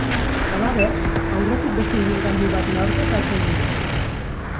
Halaber, aurretik beste ibilgailu baten aurka talka egin du.